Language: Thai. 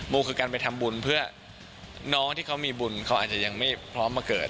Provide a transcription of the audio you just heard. คือการไปทำบุญเพื่อน้องที่เขามีบุญเขาอาจจะยังไม่พร้อมมาเกิด